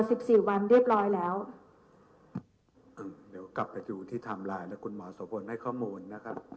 สิบสี่วันเรียบร้อยแล้วอืมเดี๋ยวกลับไปดูที่ไทม์ไลน์แล้วคุณหมอโสพลให้ข้อมูลนะครับ